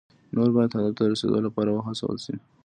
نور باید هدف ته د رسیدو لپاره وهڅول شي.